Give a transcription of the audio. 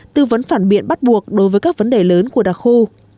tư vấn phản biện bắt buộc đối với các vấn đề lớn của đặc khu